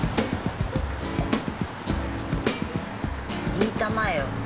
言いたまえよ。